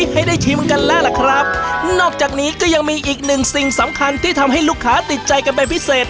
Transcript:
ให้ได้ชิมกันแล้วล่ะครับนอกจากนี้ก็ยังมีอีกหนึ่งสิ่งสำคัญที่ทำให้ลูกค้าติดใจกันเป็นพิเศษ